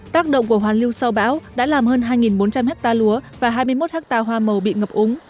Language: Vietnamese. tác động của hoàn lưu sau bão đã làm hơn hai bốn trăm linh hectare lúa và hai mươi một ha hoa màu bị ngập úng